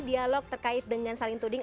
dialog terkait dengan saling tuding